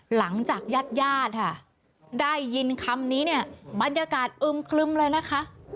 หลังจากญาติญาติค่ะได้ยินคำนี้เนี่ยบรรยากาศอึมคลึมเลยนะคะ